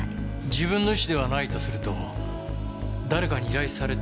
自分の意思ではないとすると誰かに依頼されたって事ですか？